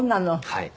はい。